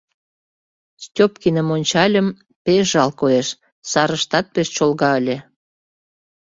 Степкиным ончальым — пеш жал коеш, сарыштат пеш чолга ыле.